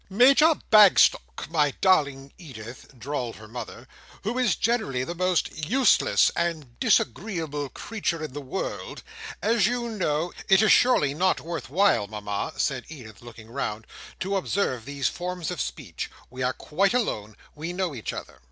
"Major Bagstock, my darling Edith," drawled her mother, "who is generally the most useless and disagreeable creature in the world: as you know—" "It is surely not worthwhile, Mama," said Edith, looking round, "to observe these forms of speech. We are quite alone. We know each other."